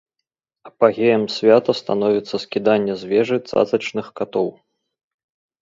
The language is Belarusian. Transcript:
Апагеем свята становіцца скіданне з вежы цацачных катоў.